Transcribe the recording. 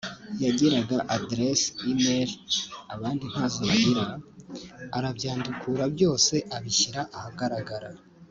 yagiraga adresse e-mail abandi ntazo bagiraga arabyandukura byose abishyira ahagaragara